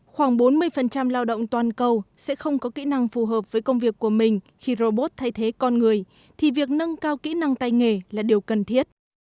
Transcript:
khoảng bốn mươi lao động toàn cầu sẽ không có kỹ năng phù hợp với công việc của mình khi robot thay thế con người thì việc nâng cao kỹ năng tay nghề là điều cần thiết